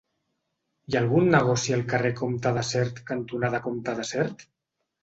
Hi ha algun negoci al carrer Comte de Sert cantonada Comte de Sert?